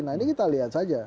nah ini kita lihat saja